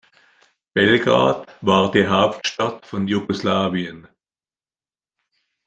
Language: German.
Belgrad war die Hauptstadt von Jugoslawien.